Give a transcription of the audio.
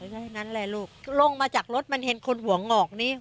เท่านั้นแหละลูกลงมาจากรถมันเห็นคนหัวงอกนี่